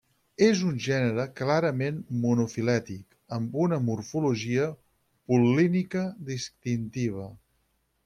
És un gènere clarament monofilètic amb una morfologia pol·línica distintiva.